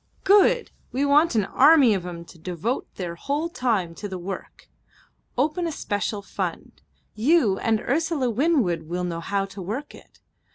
"Good. We want an army of 'em to devote their whole time to the work. Open a special fund. You and Ursula Winwood will know how to work it.